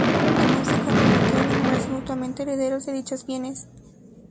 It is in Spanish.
Ambos se comprometieron a nombrarse mutuamente herederos de dichos bienes.